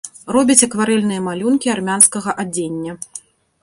Робіць акварэльныя малюнкі армянскага адзення.